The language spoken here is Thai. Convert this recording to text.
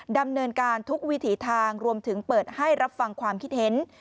ดำเนินการทุกวิถีทางรวมถึงเปิดให้รับฟังความคิดเห็น